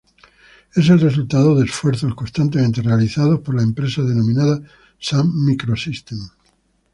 Es el resultado de esfuerzos constantemente realizados por la empresa denominada Sun Microsystems.